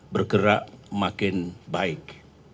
bergerak makin baik